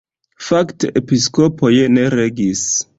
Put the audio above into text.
Fakte episkopoj ne regis.